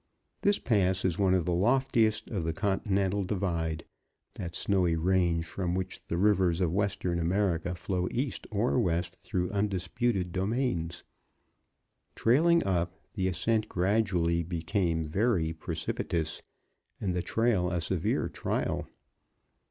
This pass is one of the loftiest of the Continental Divide that snowy range from which the rivers of Western America flow east or west through undisputed domains. Trailing up, the ascent gradually became very precipitous and the trail a severe trial.